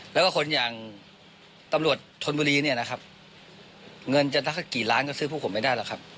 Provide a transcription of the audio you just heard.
แล้วก็คนอย่างตำรวจธนบุรีเนี่ยนะครับเงินจะสักกี่ล้านก็ซื้อพวกผมไม่ได้หรอกครับ